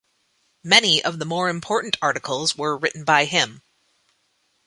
Many of the more important articles were written by him.